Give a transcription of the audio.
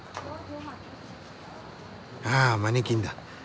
ああマネキンだ。